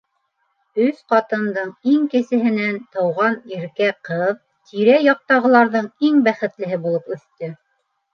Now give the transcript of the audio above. Өс ҡатындың иң кесеһенән тыуған иркә ҡыҙ тирә-яҡтағыларҙың иң бәхетлеһе булып үҫте.